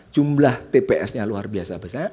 jumlah tps nya luar biasa besar